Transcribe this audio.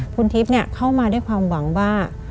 คุณทิพย์เข้ามาด้วยความหวังว่า